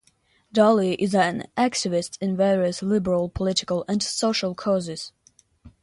Daly is an activist in various liberal political and social causes.